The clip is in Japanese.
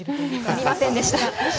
すみませんでした。